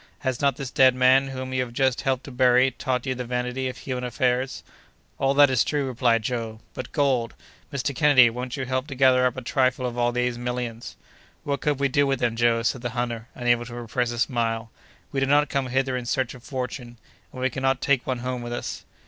Has not this dead man whom you have just helped to bury, taught you the vanity of human affairs?" "All that is true," replied Joe, "but gold! Mr. Kennedy, won't you help to gather up a trifle of all these millions?" "What could we do with them, Joe?" said the hunter, unable to repress a smile. "We did not come hither in search of fortune, and we cannot take one home with us."